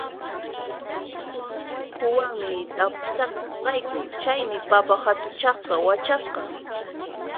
Pawkartambo muhuwanmi tarpurqayku, chaymi papa hatuchaqta wachasqa